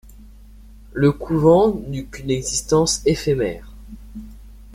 Le couvent n'eut qu'une existence éphémère.